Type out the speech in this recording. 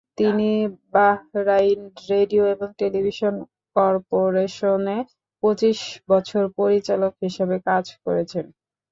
তিনি Bahrain radio এবং television কর্পোরেশনে পঁচিশ বছর পরিচালক হিসেবে কাজ করেছেন।